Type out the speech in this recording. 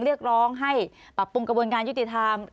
เรียกร้องให้ปรับปรุงกระบวนการยุติธรรม